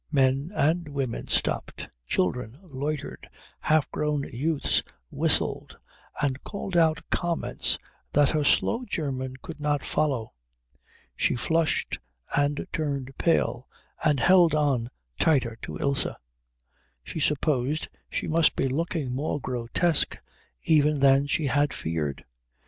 Men and women stopped, children loitered, half grown youths whistled and called out comments that her slow German could not follow. She flushed and turned pale, and held on tighter to Ilse. She supposed she must be looking more grotesque even than she had feared.